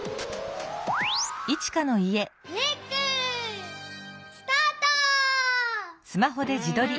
レックスタート！